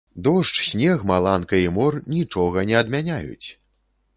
Дождж, снег, маланка і мор нічога не адмяняюць!